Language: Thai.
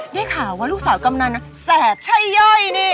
เย้ข่าวว่าลูกสาวกำนานน่ะแสบชัยเย้ยนี่